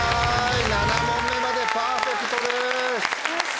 ７問目までパーフェクトです。